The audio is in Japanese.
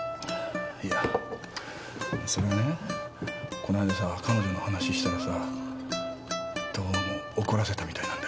この間さ彼女の話したらさどうも怒らせたみたいなんだよね。